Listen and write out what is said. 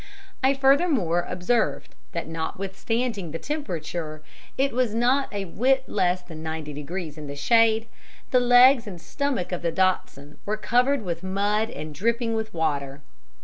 I furthermore observed that notwithstanding the temperature it was not a whit less than ninety degrees in the shade the legs and stomach of the dachshund were covered with mud and dripping with water.